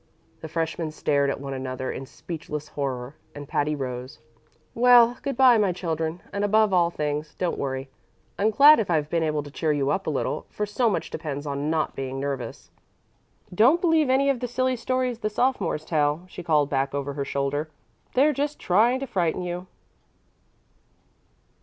The freshmen stared at one another in speechless horror, and Patty rose. "Well, good by, my children, and, above all things, don't worry. I'm glad if I've been able to cheer you up a little, for so much depends on not being nervous. Don't believe any of the silly stories the sophomores tell," she called back over her shoulder; "they're just trying to frighten you."